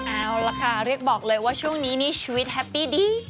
เอาล่ะค่ะเรียกบอกเลยว่าช่วงนี้นี่ชีวิตแฮปปี้ดี